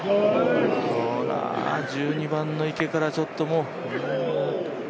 １２番の池からちょっともう。